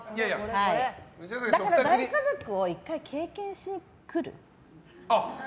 大家族を１回経験しに来る？